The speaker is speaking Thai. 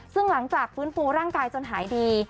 ซึ่งหลังจากฟื้นฟูร่างกายจนหายดี